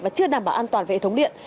và chưa đảm bảo an toàn về hệ thống điện